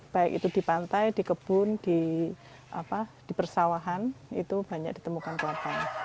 baik itu di pantai di kebun di persawahan itu banyak ditemukan kelapanya